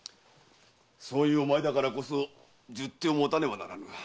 そういうお前だからこそ十手を持たねばならぬ。